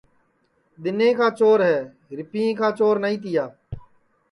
دِؔنیں چور ہے رِپئیں کا چور نائی تِیا